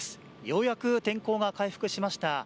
ようやく天候が回復しました。